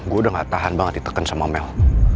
gue udah gak tahan banget diteken sama mel